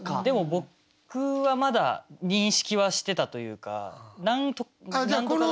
でも僕はまだ認識はしてたというか何度かだけ。